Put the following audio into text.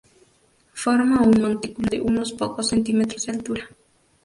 Forma un montículo de unos pocos centímetros de altura.